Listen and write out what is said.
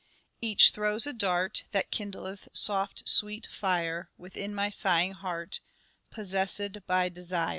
. Each throws a dart That kindleth soft sweet fire : Within my sighing heart Possessed by Desire.